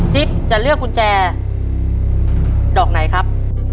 จะเลือกกุญแจดอกไหนครับ